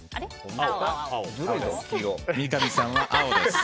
三上さんは青です。